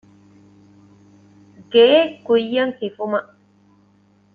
ގެއެއް ކުއްޔަށް ހިފުމަށް